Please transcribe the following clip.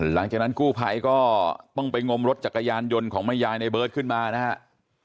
หลังจากนั้นกู้ภัยก็ต้องไปงมรถจักรยานยนต์ของแม่ยายในเบิร์ตขึ้นมานะครับ